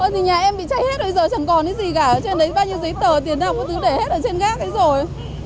thì nhà em bị cháy hết rồi giờ chẳng còn cái gì cả trên đấy bao nhiêu giấy tờ tiền học cái thứ để hết ở trên gác đấy rồi